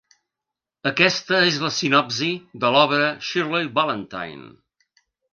Aquesta és la sinopsi de l’obra ‘Shirley Valentine’.